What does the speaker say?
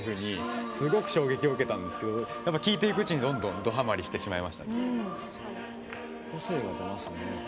すごく衝撃を受けたんですけど聞いていくうちにドハマりしてしまいました。